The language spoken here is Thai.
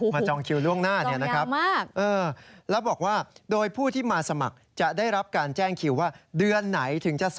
มาจองคิวล่วงหน้านะครับต้องยาวมาก